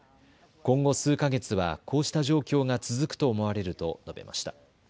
今後数か月はこうした状況が続くと思われると述べました。